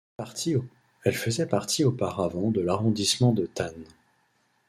Elle faisait partie auparavant de l'arrondissement de Thann.